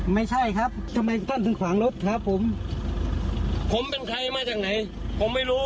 ไม่ใช่ครับทำไมต้นถึงขวางรถครับผมผมเป็นใครมาจากไหนผมไม่รู้